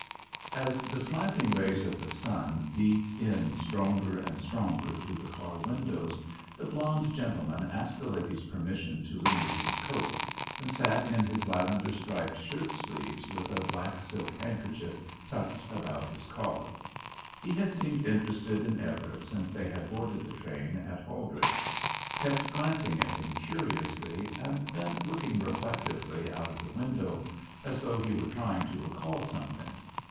As the slanting rays of the sun beat in stronger and stronger through the car windows, the blond gentleman asked the ladies' permission to remove his coat, and sat in his lavender striped shirtsleeves, with a black silk handkerchief tucked about his collar. He had seemed interested in Everett since they had boarded the train at Holdredge; kept glancing at him curiously and then looking reflectively out of the window, as though he were trying to recall something.